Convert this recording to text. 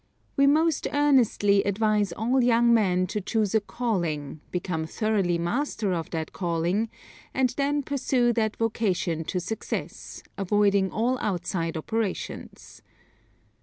We most earnestly advise all young men to choose a calling, become thoroughly master of that calling, then pursue that vocation to success, avoiding all outside operations.